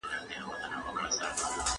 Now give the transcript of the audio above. هيڅوک حق نه لري چي مال غصب کړي.